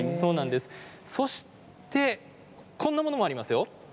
そして、こんなものもありますよ。